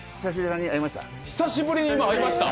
久しぶりに会いました。